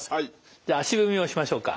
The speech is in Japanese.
じゃあ足踏みをしましょうか。